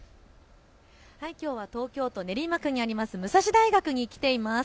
きょうは東京都練馬区にあります武蔵大学に来ています。